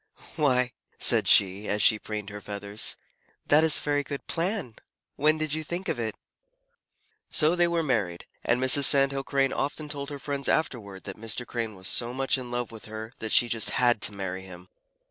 "Why," said she, as she preened her feathers, "that is a very good plan. When did you think of it?" So they were married, and Mrs. Sand Hill Crane often told her friends afterward that Mr. Crane was so much in love with her that she just had to marry him.